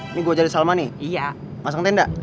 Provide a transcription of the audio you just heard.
ini gue jadi salma nih masang tendang